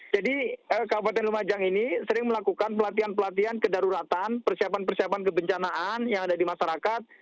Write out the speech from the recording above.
jadi kabupaten lumajang ini sering melakukan pelatihan pelatihan kedaruratan persiapan persiapan kebencanaan yang ada di masyarakat